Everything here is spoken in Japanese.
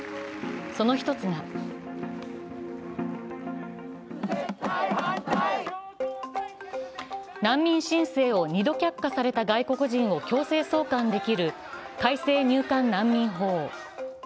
そのひとつが難民申請を２度却下された外国人を強制送還できる改正入管法。